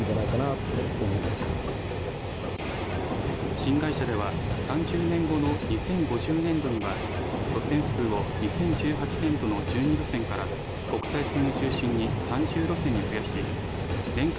新会社では３０年後の２０５０年度には路線数を２０１８年度の１２路線から国際線を中心に３０路線に増やし年間